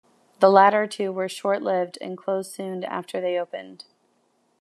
The latter two were short-lived and closed soon after they opened.